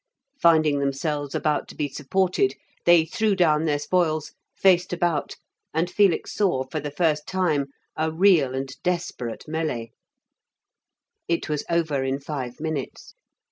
Finding themselves about to be supported, they threw down their spoils, faced about, and Felix saw for the first time a real and desperate melée. It was over in five minutes.